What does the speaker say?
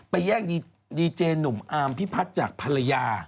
แย่งดีเจหนุ่มอาร์มพิพัฒน์จากภรรยา